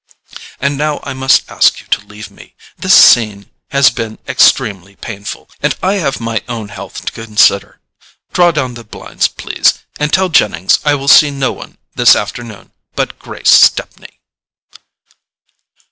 And now I must ask you to leave me—this scene has been extremely painful, and I have my own health to consider. Draw down the blinds, please; and tell Jennings I will see no one this afternoon but Grace Stepney."